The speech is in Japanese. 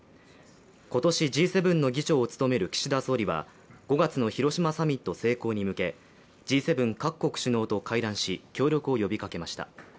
今年、Ｇ７の議長を務める岸田総理は５月の広島サミット成功に向けＧ７各国首脳と会談し協力を呼びかけました。